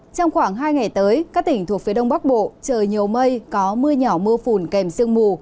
trong khoảng hai ngày tới các tỉnh thuộc phía đông bắc bộ trời nhiều mây có mưa nhỏ mưa phùn kèm sương mù